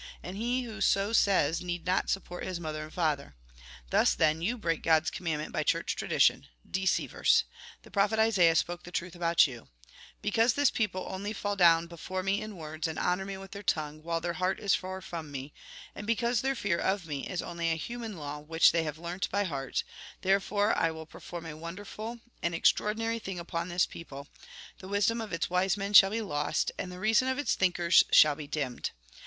And he who so says need not support his father and mother. Thus, then, you break God's commandment by church tradition. Deceivers ! The prophet Isaiah spoke the truth about you :' Because this people only fall down before me in words, and honour me with their tongue, while their heart is far from me ; and be nt, ix. 12. 13. Mk. Mt. Mk. XV. 1. vii. 1. XV. 2. vii. 2. Mt. XV. 3. Mk. vii. 10, 11, 12. 13. Mt. XV. 7. LIFE IN THE SPIRIT Mk. vii. 20. Jn. ii. 13. cause their fear of me is only a human law which they have learnt by heart ; therefore I will per form a wonderful, an extraordinary thing upon this people : The wisdom of its wise men shall be lost, and the reason of its thinkers shall be dimmed.